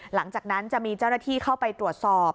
หลังจากนั้นจะมีเจ้าหน้าที่เข้าไปตรวจสอบ